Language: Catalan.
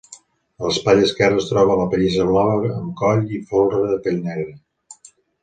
A l'espatlla esquerra es troba la pellissa blava amb coll i folre de pell negra.